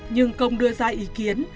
nhưng công đưa ra ý kiến